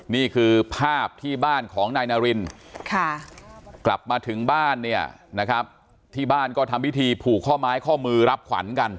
นี่คือภาพที่บ้านของนายนารินกลับมาถึงบ้านเนี่ยนะครับที่บ้านก็ทำพิธีผูกข้อไม้ข้อมือรับขวัญกัน